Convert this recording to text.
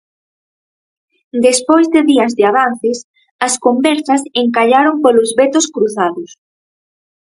Despois de días de avances, as conversas encallaron polos vetos cruzados.